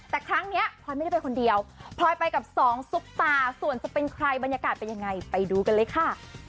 แต่ครั้งนี้พลอยไม่ได้ไปคนเดียวพลอยไปกับสองซุปตาส่วนจะเป็นใครบรรยากาศเป็นยังไงไปดูกันเลยค่ะ